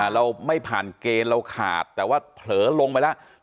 เราไม่ผ่านเกณฑ์เราขาดแต่ว่าเผลอลงไปแล้ว